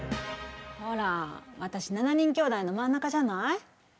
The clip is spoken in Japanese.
ほら私７人きょうだいの真ん中じゃない？